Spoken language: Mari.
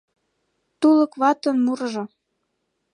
Тулык ватын мурыжо